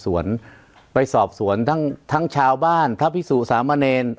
วงไปสอบสวนทั่งทักชาวบ้านทัพธิสูทรามาเนร